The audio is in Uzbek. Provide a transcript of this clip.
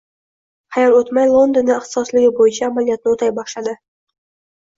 Hayal o‘tmay, Londonda ixtisosligi bo‘yicha amaliyotni o‘tay boshladi